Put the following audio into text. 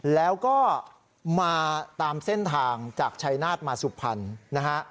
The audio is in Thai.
แล้วก็มาตามเส้นทางจากชัยนาธมาสุพรรณนะฮะ